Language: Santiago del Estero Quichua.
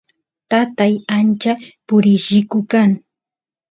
tatay ancha purilliku kan